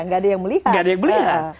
gak ada yang melihat